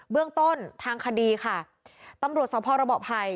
เบื้องต้นทางคดีค่ะตำรวจสอบภอร์ระบอภัย